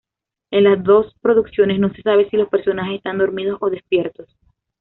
En las dos producciones no se sabe si los personajes están dormidos o despiertos.